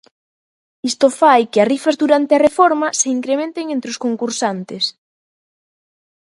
Isto fai que as rifas durante a reforma se incrementen entre os concursantes.